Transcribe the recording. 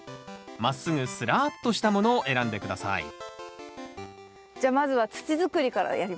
まっすぐスラーッとしたものを選んで下さいじゃあまずは土づくりからやりますか？